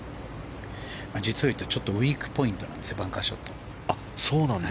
実をいうとウィークポイントなんですバンカーショット。